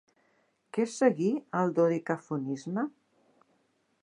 Què seguí al dodecafonisme?